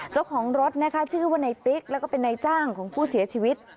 เจ้าของรถนะคะชื่อว่าในติ๊กแล้วก็เป็นนายจ้างของผู้เสียชีวิต